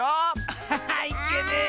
アッハハいけねえ！